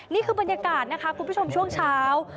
นี่คือบรรยากาศนะคะคุณผู้ชมช่วงเช้า